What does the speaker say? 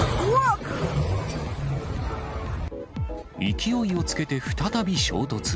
勢いをつけて再び衝突。